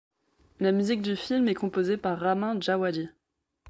La musique du film est composée par Ramin Djawadi.